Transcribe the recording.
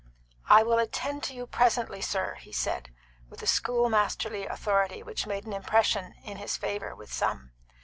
"I will attend to you presently, sir," he said, with a schoolmasterly authority which made an impression in his favour with some.